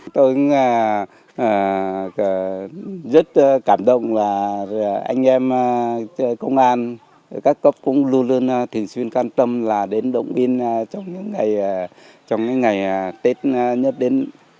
tôi rất cảm động là anh em công an các cấp cũng luôn luôn thường xuyên can tâm là đến đồng biên trong những ngày tết nhất đến